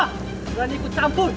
berani ikut campur